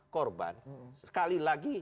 korban sekali lagi